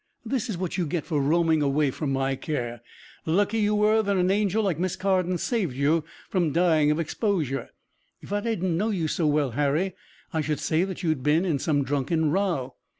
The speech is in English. "This is what you get for roaming away from my care. Lucky you were that an angel like Miss Carden saved you from dying of exposure. If I didn't know you so well, Harry, I should say that you had been in some drunken row."